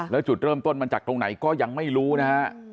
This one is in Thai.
แล้วจุดเริ่มต้นมาจากตรงไหนก็ยังไม่รู้นะฮะ